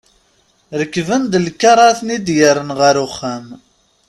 Rekben-d lkar ara ten-d-yerren ɣer uxxam.